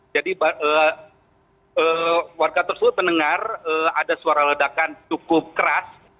jadi warga tersebut mendengar ada suara ledakan cukup keras